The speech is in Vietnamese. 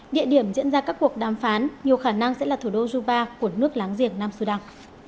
địa điểm diễn ra các cuộc đàm phán nhiều khả năng sẽ là thủ đô juba của nước láng giềng nam sudan